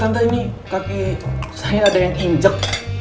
santa ini kaki saya ada yang injek